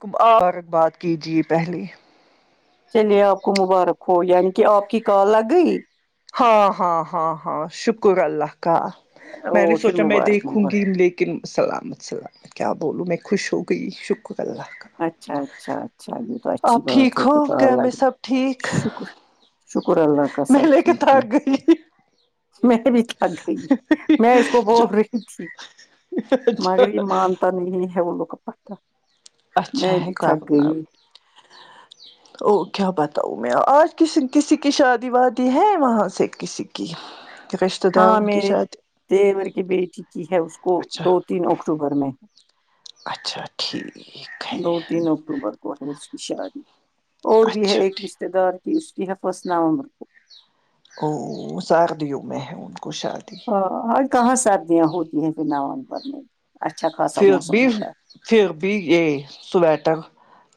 کم مبارک بات کیجیے پہلے چلیے آپ کو مبارک ہو یعنی کہ آپ کی کار لگ گئی ہاں ہاں ہاں ہاں شکر اللہ کا میں نے اور پھر سوچا میں مبارک دیکھوں مبارک گی لیے کن سلامت سلامت کیا بولوں میں خوش ہو گئی شکر اللہ کا اچھا اچھا اچھا یہ تو اچھی آپ بات ٹھیک ہے کہ ہو کال گھر میں لگی سب ٹھیک شکر شکر اللہ کا میں سب لے کے ٹھیک ہیں تھک گئی میں بھی تھک گئی میں اس کو بول رہی تھی اچھا مگر مانتا نہیں ہے وہ لوگ پتا اچھا ہے کال اب اور کیا بتاؤ میں آج کسی کسی کی شادی وادی ہے وہاں سے کسی کی رشتہ ہاں داروں کی میرے شادی دیور کی بیٹی کی ہے اس کو اچھا دو تین اکٹوبر میں اچھا ٹھیک ہے دو تین اکتوبر کو ہے اس کی شادی اور بھی ہے اچھا ایک ٹھیک رشتےدار کی اس کی ہے فسٹ نومبر کو او سردیوں میں ہے ان کو شادی ہاں اور کہاں سردیاں ہوتی ہیں نومبر میں اچھا خاصا پھر بھی موسم ہوتا ہے پھر بھی یہ سویٹر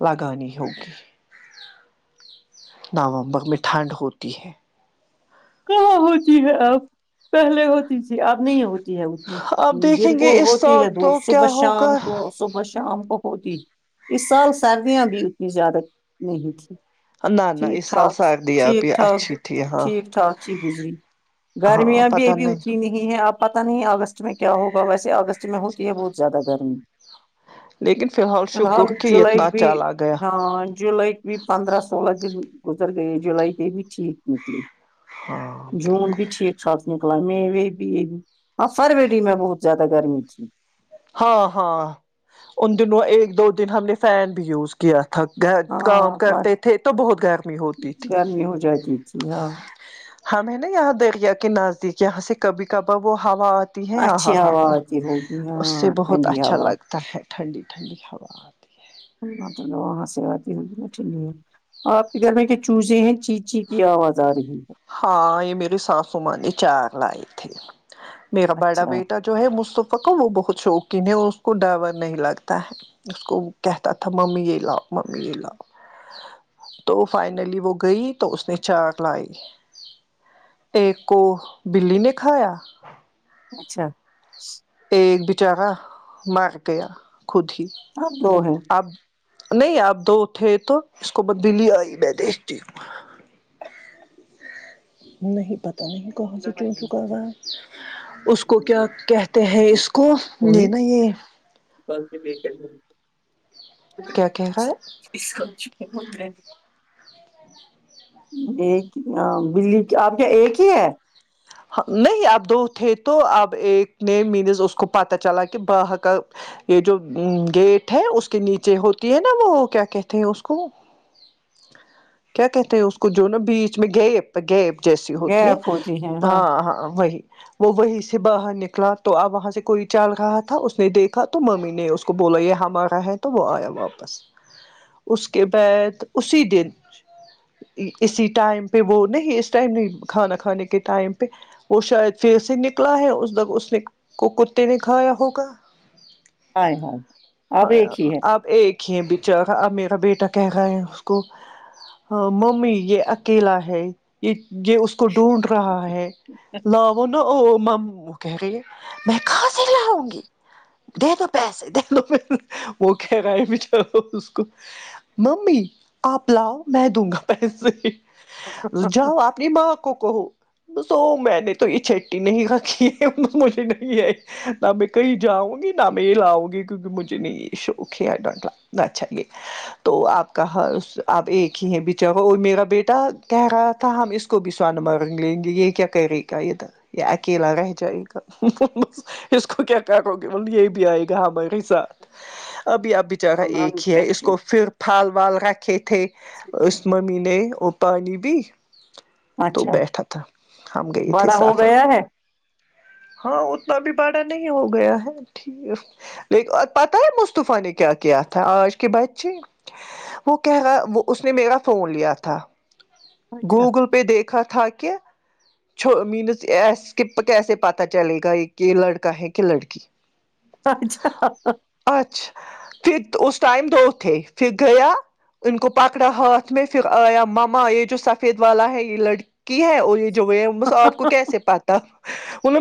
لگانی ہوگی نومبر میں ٹھنڈ ہوتی ہے کہاں ہوتی ہے اب پہلے ہوتی تھی اب نہیں ہوتی ہوتی اب دیکھیں دن گے کو اس ہوتی سال ہے تو کیا صبح شام ہوگا کو صبح شام کو ہوتی اس سال سردیاں بھی اتنی زیادہ نہیں تھی نہ نہ ٹھیک اس سال ٹھاک سردیاں ٹھیک بھی ٹھاک اچھی تھی ہاں ٹھیک ٹھاک اچہی گزری ہاں گرمیاں بھی پتہ ابھی اتنی نہیں ہے آب پتا نہیں اگست میں کیا ہوگا ویسے اگست میں ہوتی ہے بہت زیادہ گرمی لیکن فی الحال فلحال شکر کہ جولائی اتنا بھی چال آ گیا ہاں جولائی بھی پندرہ سولہ دن گزر گئے جولائی کی بھی ٹھیک نکلی ہاں جون بالکل بھی ٹھیک ٹھاک نکلا مئی بھی ہاں فروری میں بہت زیادہ گرمی تھی ہاں ہاں ان دنوں ایک دو دن ہم نے فین بھی یوز کیا تھا گا ہاں کام کرتے تھے تو بہت گرمی ہوتی تھی گرمی ہو جاتی تھی ہاں ہم ہے نا یہاں دریا کے نزدیک یہاں سے کبھی کبار وہ ہوا آتی ہے آہا اچھی ہا ہوا آتی ہوگی یا اس سے بہت اچھا لگتا ہے ٹھنڈی ٹھنڈی ہوا آتی ہے مطلب سارا دن اٹھی نہیں ہے آپ کے گھر میں کے چوزیں ہیں چیچی کی آواز آ رہی ہے ہاں یہ میری ساسوما نے چار لائے تھے میرا بڑا اچھا بیٹا جو ہے مصطفی کا وہ بہت شوقین ہے اور اس کو ڈر ور نہیں لگتا ہے اس کو کہتا تھا ممی یہ لاؤ ممی یہ لاؤ تو فائنلی وہ گئی تو اس نے چاک لائی ایک کو بلی نے کھایا اچھا ایک بیچارہ مر گیا خود ہی اب دو ہے اب نہیں اب دو تھے تو اس کو ب دلی آئی میں دیکھتی ہوں نہیں پتا ہم کو کہاں سے چو چو کر رہا ہے اس کو کیا کہتے ہیں اس کو ہیں یہ نہ یہ [unintelligible] کیا کہہ رہا ہے [inaudible] ایک بلی اب کیا ایک ہی ہے نہیں اب دو تھے تو اب ایک نے مینز اس کو پتہ چلا کہ بہ کا یہ جو گیٹ ہے اس کے نیچے ہوتی ہے نا وہ کیا کہتے ہیں اس کو کیا کہتے ہیں اس کو جو نا بیچ میں گئے گیب جیسی ہوتی ہے ہاں ہاں وہی وہ وہی سے باہر نکلا تو اب وہاں سے کوئی چل رہا تھا اس نے دیکھا تو ممی نے اس اس کو بولو یہ ہمارا ہے تو وہ آیا واپس اس کے بعد اسی دن اسی ٹائم پہ وہ نہیں ہی ا اس ٹائم نہیں کھانا کھانے کے ٹائم پہ وہ شاید پھر سے نکلا ہے اس اس نے کو کتے نے کھایا ہوگا ہائے ہائے اب ہاں ایک ہی ہے آب ایک ہی بیچارا میرا بیٹا کہہ رہا ہے اس کو ہاں ممی یہ اکیلا ہے یہ یہ اس کو ڈھونڈ رہا ہے لاو او مم وہ کہہ گی میں کہاں سے لاؤں گی دے دو پیسے دے دو پیسے وہ کہ رہا ہے ب بیچارا اس کو ممی آپ لاؤ میں دوں گا پیسے جاؤ اپنی ماں کو کہو بسو میں نے تو یہ چٹی نہیں رکھی ہے مجھے نہیں آئی نہ میں کہیں جاؤں گی نہ میں یہ لاؤں گی کیونکہ مجھے نہیں شوق ہے ڈونٹلہ نہ چاہیے تو آپ کا آب ایک ہی ہیں بیچارا اور میرا بیٹا کہہ رہا تھا ہم اس کو بھی سو نمبر رنگ لیں گے یہ کیا کرے گا یہ تھا یہ اکیلا رہ جائے گا اس کو کیا کیا کرو گے ملب یہی بھی آئے گا ہمارے ساتھ ابھی آپ بیچارہ کمرہ میں ایک ہی ہے بیٹھ اس کے کو پھر پھل بال رکھے تھے اس ممی نے پانی بھی تو اچھا بیٹھا تھا ہم گئے تھے بڑا ہو سافر پ گیا ہے ہاں اتنا بھی باڑا نہیں ہو گیا ہے ٹھیک پتہ ہے مصطفہ نے کیا کیا تھا آج کے بچے وہ کہ گا وہ اس نے میرا فون لیا تھا اچھا گوگل پہ دیکھا تھا کہ چھوڑو مینس اسکپ کیسے پتاہ چلے گا یہ کہ لڑکا ہے کہ لڑکی اچھا اچھا پھر اس ٹائم دو تھے پھر گیا ان کو پکڑا ہاتھ میں پھر آیا ماما یہ جو سفید والا ہے یہ لڑکی ہے اور یہ ہوئے ہیں بس آپ کو کیسے پتہ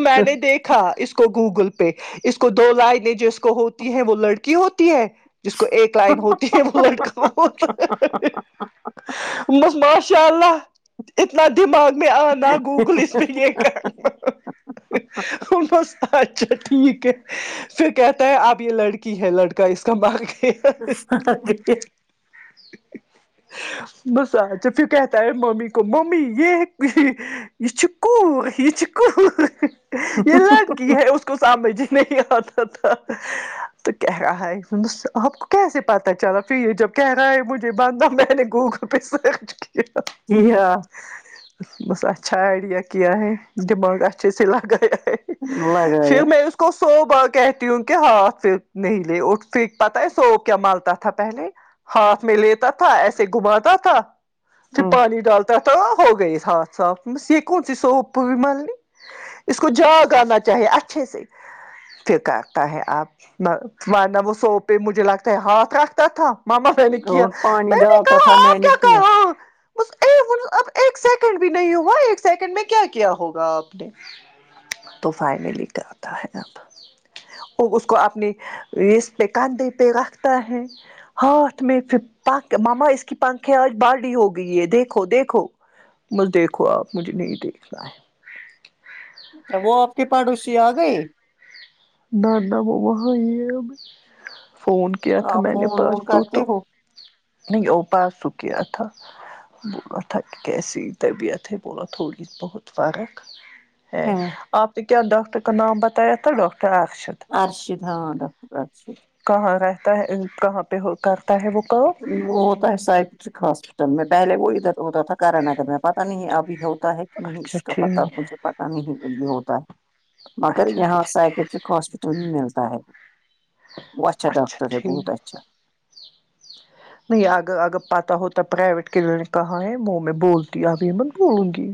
میں نے دیکھا اس کو گوگل پہ اس کو دو لائنیں جو اس کو ہوتی ہیں وہ لڑکی ہوتی ہے جس کو ایک لائن ہوتی ہے وہ لڑکا ہوتا بسماش انشاء اللہ اتنا دماغ میں آنا گوگل اس پہ یہ کہنا بس اچھا ٹھیک ہے پھر کہتا ہے اپ یہ لڑکی ہے لڑکا اس کا باقی بس اچھا پھر کہتا ہے ممی کو ممی یہ ایک بھی یہ چیکو یہ چیکو یہ لڑکی ہے اس کو سامنےبھی نہیں آتا تھا تو کہہ رہاہے ایک دن اسسے آپ کو کیسے پتا چلا پھر یہ جب کہہ رہا ہے مجھے بندھا میں نے گوگل پہ سرچ کیا جی ہاں بس اچھا آئیڈیا کیا ہے دماغ اچھے سے لگایا ہے لگایا پھر میں اس کو سوب کہتی ہوں کہ ہاتھ پھر نہیں لے اٹ پھر پت ہے سوب کیا مالتا تھا پہلے ہاتھ میں لیتا تھا ایسے گھماتا تھا پھر ہوں پانی ڈالتا تھا ہو گںی ہاں صاف یہ کونسی سوپ مل اس کو جاگ آنا چاہیے اچھے سے پھر کرتا ہے آپ وادہ وہ سو پہ مجھے لگتا ہے ہاتھ رکھتا تھا ماما میں نے کیا اور پانی میں نے ڈالتا کہا تھا میں آپ نے کیا کہا ب اب ہاں ایک سیکنڈ بھی نہیں ہوا ایک سیکنڈ میں کیا کیا ہوگا آپ نے تو فائنلی کرتا ہے اب وہ اس کو اپنی ریس پہ کاندھے پہ رکھتا ہے ہاتھ میں پنکھ مما اس کی پنکھے آج باڈی ہو گئی ہے دیکھو دیکھو بس دیکھو آپ مجھے نہیں دیکھنا ہے وہ آپ کے پڑوسی آ گئے نہ نہ وہ وہاں ہی ہے اب فون کیا تھا آپ میں نے فون پاس وون دو تو کرتے ہو نہیں اوپا س تو کیا تھا بولا تھا کہ کیسی طبیعت ہے بولا تھوڑی بہت فرق ہے ہاں آپ نے کیا ڈاکٹر کا نام بتایا تھا ڈاکٹر ارشد ارشد ہاں ڈاکٹر ارشد کہاں رہتا ہے کہاں پہ کرتا ہے وہ کام وہ ہوتا ہے سائکسٹرک ہاسپٹل میں پہلے وہ ادھر ہوتا تھا کارا نگر میں پتا نہیں ابھی ہے کہ نہیں اچھا اس کا پتا ٹھیک مجھے پتا نہیں اب ہوتا ہے مگر اچھا یہاں اچھا ٹھیک سائیکیاٹرک ہاسپٹل میں ملتا ہے وہ اچھا ڈاکٹر ہے بہت اچھا نہیں اگر اگر پتہ ہوتا پرائیویٹ کلینک کہاں ہے وہ میں بولتی ابھی میں بولگی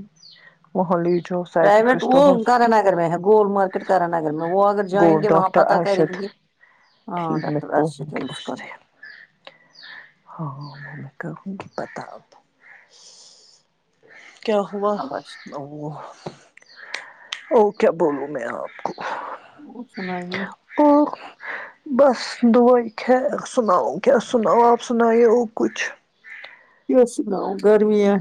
پرائیویٹ وہ کارا ہاسپٹل نگر میں ہے گول مارکیٹ کارا نگر میں وہ اگر جائیں وہ گے وہاں پہ ڈاکٹر پتا کریں ارشد گے ہاں ٹھیک میں ڈاکٹر بولوں ارشد ہے گی اس اسکا سے نام ہاں میں کہوں گی بتاو کیا ہوا اب ارشد اور کیا بولو میں آپ کو وہ سنائیے آہ بس دعاے خیر سناو کیا ہے سناؤ آپ سنایے اور کچھ کی سناؤ گرمی ہے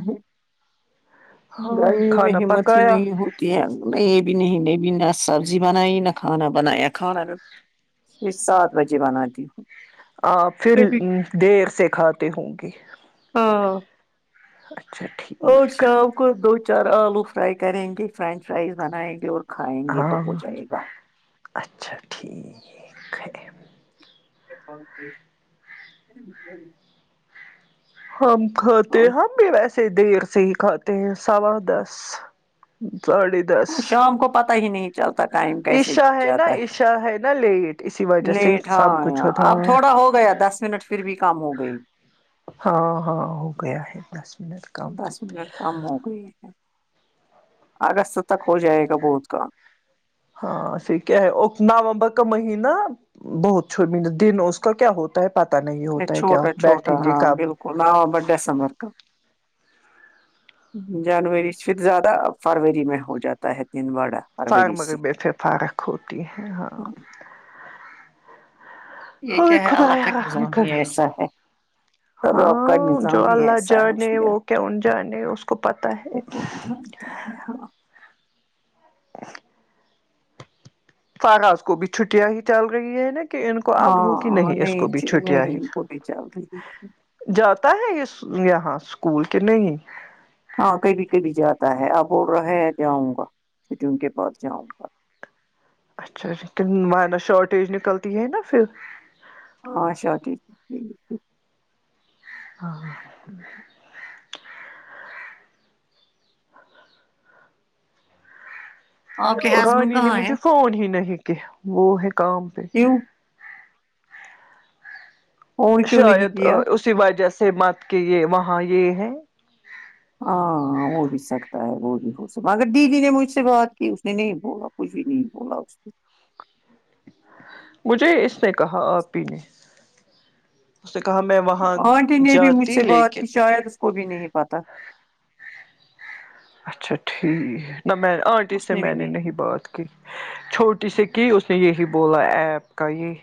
ہاں گرمی میں کھانا ہمت ہی پکایا نہیں ہوتی یہیں میں بھی نہیں نے بھی نہ سبزی بنائی نہ کھانا بنایا کھانے میں یہ سات بجے بناتی ہوں آ پ پھر کبھی دیر سے کھاتی ہوں گی ہاں اور ٹھیک شام اب کو دو چار آلو فرائی کریں گے فرینچ فرائز بنائیں گے اور کھائیں گے تو ہاں ہو جائے گا اچھا ٹھیک ہے ہم کھاتے اور ہم بھی ویسے دیر سے ہی کھاتے سوا دس ساڑے شام کو پتا ہی نہیں چلتا ٹائم کیسے عشا نا جاتا ہے عشا ہے نا لیٹ اسی وجہ سے لیٹ ہاں سب کچھ اں ہوتا اب ہے تھوڑا ہو گیا دس منٹ پھر بھی کام ہو گئی ہاں ہاں ہو گیا ہے دس منٹ کم سے نوکری اگست تک ہو جائے گا بہت کام ہاں پھر کیا ہے نومبر کا مہینہ بہت چھو م دن اس کا کیا ہوتا ہے پتا نہیں ہوتا ہے کیا بیٹھیں گے کب نا ہو بڈا سمرکا جنوری سے زیادہ فروری میں ہو جاتا ہے دن باڑا فارک مگر بیہتر فارک ہوتی ہے ہاں یہ ہو کیا ہے اللہ کا خدایا رحم نظام بھی کر ایسا ہے اور آپ کا ہاں جو نظام ہی اللہ ایسا ہے اس جانے نے وہ کون جانے اس کو پتا ہے تو ہے ہاں فراز کو بھی چھٹیاں ہی چل رہی ہے نا کہ ان کو ہاں اب ہو کہ ہاں نہیں اس کو بھی چ- چھٹیا ہی نہیں ان کو بھی چل رہی ہے۔ جاتا ہے اس یہاں اسکول کے نہیں ہاں کبھی کبھی جاتا ہے اب بول رہا ہے جاؤں گا چھٹیوں کے بعد جاؤں گا اچھا وان نا شارٹیج نکلتی ہے نا پھر ہاں شورٹیج ہاں ہاں آپ کے ہسبینڈ رانی نے کہاں مجھے ہیں فون ہی نہیں کہ وہ ہے کام پہ کیوں فون کیوں نہیں شاید کیا اسی وجہ سے مت کہ یہ وہاں یہ ہے ہاں وہ بھی سکتا ہے وہ بھی ہو سکتا اگر دی نے مجھ سے بات کی اس نے نہیں بولا کچھ بھی نہیں بولا اس نے مجھے اس نے کہا آ تی ہوں اس نے کہا میں وہاں آنٹی نے بھی مجھ جاتی سے بات لیکن کی شاید اس کو بھی نہیں پتا اچھا ٹھیک ہے نہ میں آنٹی سے میں نے نہیں بات کی کی چھوٹی سی کی اس نے یہی بولا ایپ کا یہی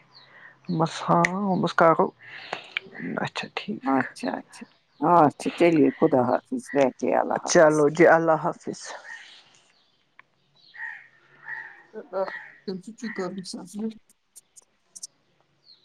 بس ہاں بس کااکل اچھا ٹھیک اچھا اچھا اچھا چلیے خدا حافظ بے اللہ حافظ چلو جی اللہ حافظ [unintelligible] ست گم سمجھ